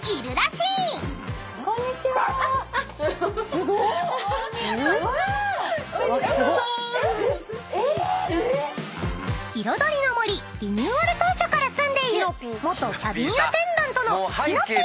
［いろどりの杜リニューアル当初から住んでいる元キャビンアテンダントのきのぴーさん］